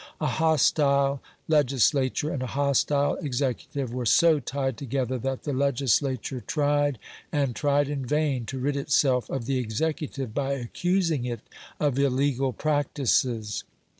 A hostile legislature and a hostile executive were so tied together, that the legislature tried, and tried in vain, to rid itself of the executive by accusing it of illegal practices.